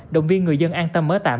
động viên người dân an tâm ở tạm